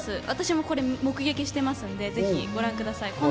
私も目撃しているのでご覧ください。